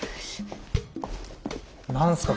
何すか？